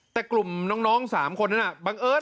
แต่กลุ่มน้อง๓คนนั้น